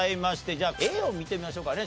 じゃあＡを見てみましょうかね。